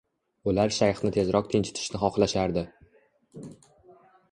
Ular shayxni tezroq tinchitishni xohlashardi